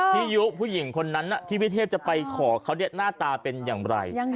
ยุผู้หญิงคนนั้นที่พี่เทพจะไปขอเขาหน้าตาเป็นอย่างไร